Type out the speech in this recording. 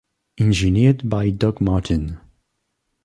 Engineered by Doug Martin.